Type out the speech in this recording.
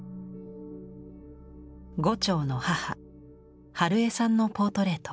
牛腸の母春江さんのポートレート。